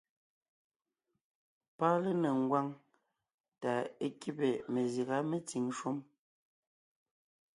Pɔ́ɔn lénéŋ ngwáŋ tà é kíbe mezyága metsìŋ shúm.